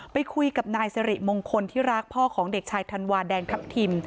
ไปคุยกับนายสิริมงคลที่รักพ่อของเด็กชายธันวาแดงทัพทิม